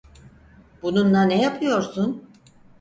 Bununla ne yapıyorsun?